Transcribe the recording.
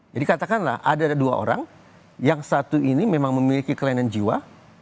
jadi katakanlah ada dua orang yang satu ini memang memiliki kelainan jiwa